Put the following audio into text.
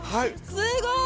すごい！